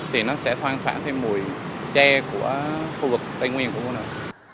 thì nó sẽ thoang thoảng thêm mùi tre của khu vực tây nguyên của quốc nội